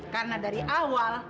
karena dari awal